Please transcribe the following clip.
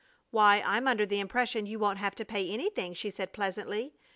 "Why, I'm under the impression you won't have to pay anything," she said, pleasantly.